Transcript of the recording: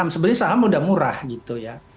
sebenarnya saham sudah murah gitu ya